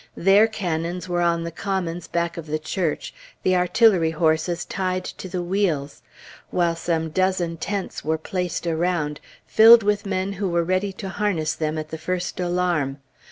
Their cannon were on the commons back of the church, the artillery horses tied to the wheels; while some dozen tents were placed around, filled with men who were ready to harness them at the first alarm.